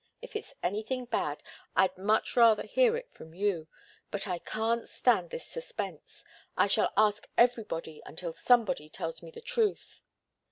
If it's anything bad, I'd much rather hear it from you. But I can't stand this suspense. I shall ask everybody until somebody tells me the truth."